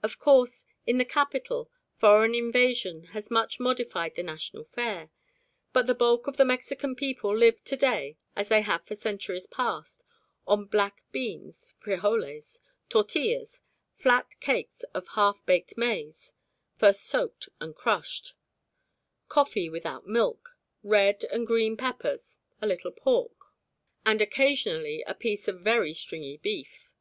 Of course, in the capital, foreign invasion has much modified the national fare, but the bulk of the Mexican people live to day, as they have for centuries past, on black beans (frijoles), tortillas (flat cakes of half baked maize, first soaked and crushed), coffee without milk, red and green peppers, a little pork, and occasionally a piece of very stringy beef.